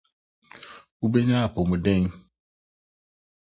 Wubenya apɔwmuden.